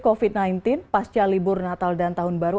covid sembilan belas pasca libur natal dan tahun baru